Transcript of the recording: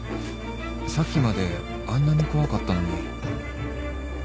さっきまであんなに怖かったのに